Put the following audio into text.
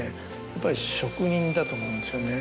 やっぱり職人だと思うんですよね。